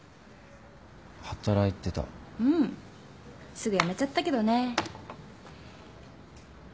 すぐ辞めちゃったけどね。